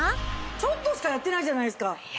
ちょっとしかやってないじゃないですか。